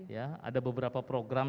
ya ada beberapa program